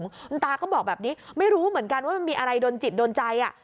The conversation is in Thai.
คุณตาก็บอกแบบนี้ไม่รู้เหมือนกันว่ามันมีอะไรโดนจิตโดนใจ